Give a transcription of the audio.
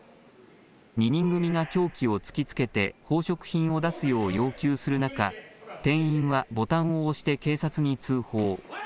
２人組が凶器を突きつけて宝飾品を出すよう要求する中、店員はボタンを押して警察に通報。